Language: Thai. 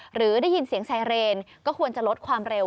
หรือได้ยินเสียงไซเรนก็ควรจะลดความเร็ว